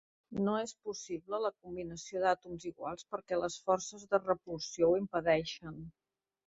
No és possible la combinació d'àtoms iguals perquè les forces de repulsió ho impedeixen.